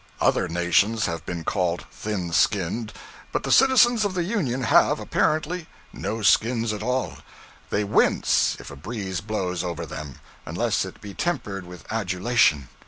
Other nations have been called thin skinned, but the citizens of the Union have, apparently, no skins at all; they wince if a breeze blows over them, unless it be tempered with adulation.